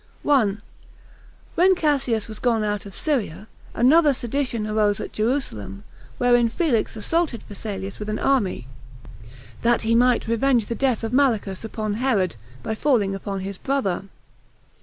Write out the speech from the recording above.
1. When Cassius was gone out of Syria, another sedition arose at Jerusalem, wherein Felix assaulted Phasaelus with an army, that he might revenge the death of Malichus upon Herod, by falling upon his brother.